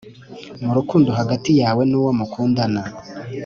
murukundo hagati yawa nuwo mukundana